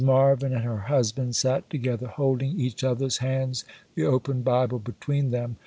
Marvyn and her husband sat together, holding each other's hands, the open Bible between them.